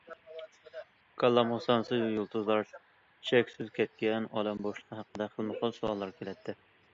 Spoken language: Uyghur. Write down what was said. كاللامغا سانسىز يۇلتۇزلار، چەكسىز كەتكەن ئالەم بوشلۇقى ھەققىدە خىلمۇخىل سوئاللار كېلەتتى.